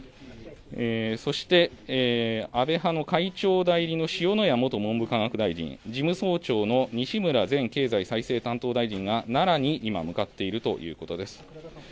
そして安倍派の会長代理の塩谷元文部科学大臣、事務総長の西村前経済再生担当大臣が奈良に今、向かっているということです。